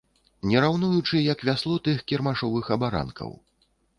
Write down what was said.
Не раўнуючы як вясло тых кірмашовых абаранкаў.